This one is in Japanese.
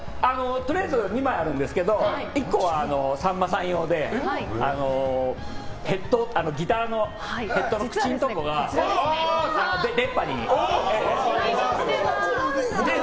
とりあえず２枚あるんですが１個は、さんまさん用でギターのヘッドの口が出っ歯に。